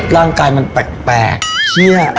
ร่างกายมันแปลกเหี้ย